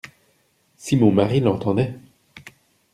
Si mon mari l’entendait !